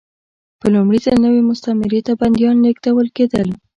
په لومړي ځل نوې مستعمرې ته بندیان لېږدول کېدل.